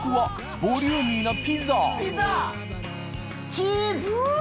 チーズ！